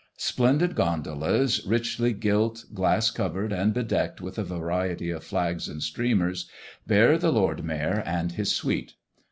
Splendid gondolas richly gilt, glass covered, and bedecked with a variety of flags and streamers, bear the Lord Mayor and his suite.